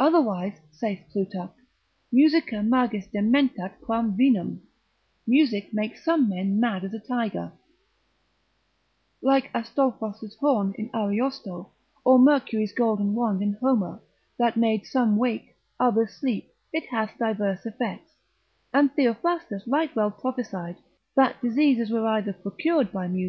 Otherwise, saith Plutarch, Musica magis dementat quam vinum; music makes some men mad as a tiger; like Astolphos' horn in Ariosto; or Mercury's golden wand in Homer, that made some wake, others sleep, it hath divers effects: and Theophrastus right well prophesied, that diseases were either procured by m